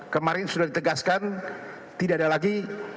kemarin sudah ditegaskan tidak ada lagi